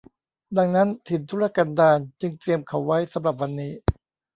ดังนั้นถิ่นทุรกันดารจึงเตรียมเขาไว้สำหรับวันนี้